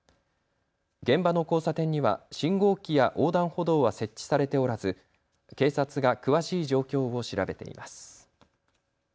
現場の交差点には信号機や横断歩道は設置されておらず警察が詳しい状況を調べています。